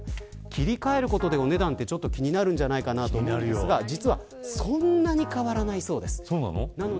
切り替えることでお値段気になるんじゃないかと思いますが実はそんなに変わらないそうです。